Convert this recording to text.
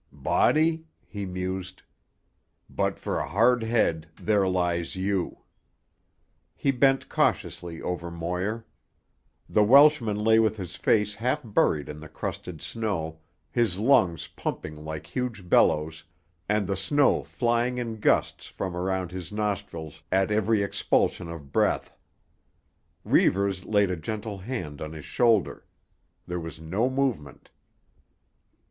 "Body," he mused, "but for a hard head, there lies you." He bent cautiously over Moir. The Welshman lay with his face half buried in the crusted snow, his lungs pumping like huge bellows, and the snow flying in gusts from around his nostrils at every expulsion of breath. Reivers laid a gentle hand on his shoulder. There was no movement.